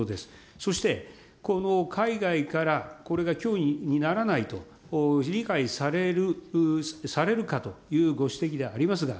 そして、この海外からこれが脅威にならないと理解される、されるかというご指摘でありますが、